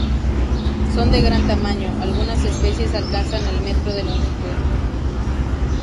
Son de gran tamaño; algunas especies alcanzan el metro de longitud.